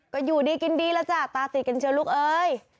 ก็อยู่ดีกินดีแล้วจ้ะตาติดกันเชียวลูกเอ้ย